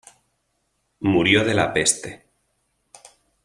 Murió de la peste.